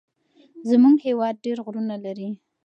زمونږ هيواد ډير غرونه لري.